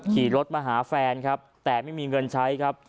ขี่รถมาหาแฟนครับแต่ไม่มีเงินใช้ครับ